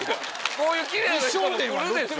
こういう奇麗な人も来るでしょ？